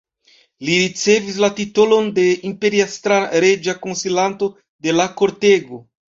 Li ricevis la titolon de imperiestra-reĝa konsilanto de la kortego.